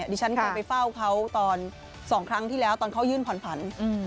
ดิฉันเคยไปเฝ้าเขาตอน๒ครั้งที่แล้วตอนเขายื่นผ่อนผัน